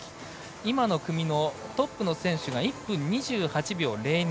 今の組のトップの選手が１分２８秒０２。